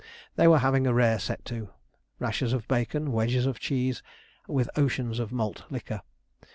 They were having a rare set to rashers of bacon, wedges of cheese, with oceans of malt liquor.